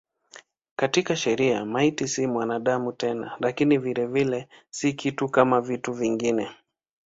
Katika sheria maiti si mwanadamu tena lakini vilevile si kitu kama vitu vingine.